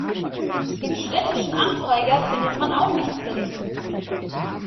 Im Städtischen Anzeiger findet man auch nichts dazu.